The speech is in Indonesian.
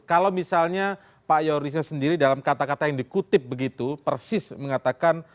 kalau misalnya pak yorisnya sendiri dalam kata kata yang dikutip begitu persis mengatakan